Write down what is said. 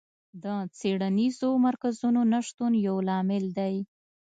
د څېړنیزو مرکزونو نشتون یو لامل دی.